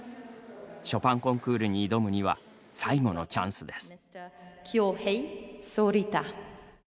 ショパンコンクールに挑むには最後のチャンスです。